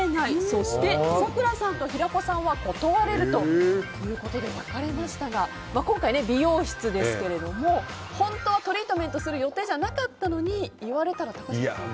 そして、咲楽さんと平子さんは断れるということで分かれましたが今回、美容室ですけども本当はトリートメントする予定じゃなかったのに言われたら、高嶋さん。